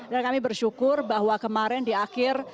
dan kami bersyukur bahwa kemarin di akhir